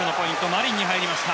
マリンに入りました。